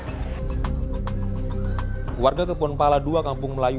warga kebun pala ii kabung melayu kemudian pembangunan rumah panggung ini